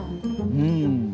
うん。